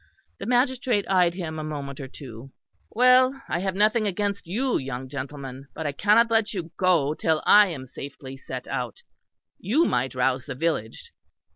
The magistrate eyed him a moment or two. "Well, I have nothing against you, young gentleman. But I cannot let you go, till I am safely set out. You might rouse the village.